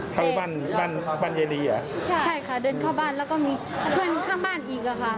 เข้าบ้านบ้านยายดีเหรอใช่ใช่ค่ะเดินเข้าบ้านแล้วก็มีเพื่อนข้างบ้านอีกอ่ะค่ะ